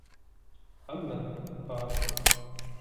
عَمَّنْ ؟ قَالَ